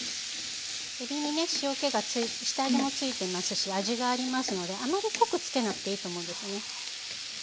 えびにね塩けが下味も付いてますし味がありますのであまり濃く付けなくていいと思うんですね。